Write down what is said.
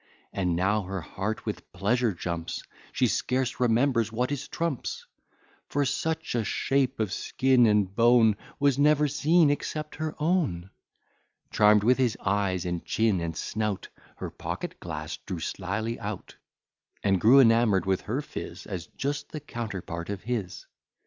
And now her heart with pleasure jumps, She scarce remembers what is trumps; For such a shape of skin and bone Was never seen except her own. Charm'd with his eyes, and chin, and snout, Her pocket glass drew slily out; And grew enamour'd with her phiz, As just the counterpart of his.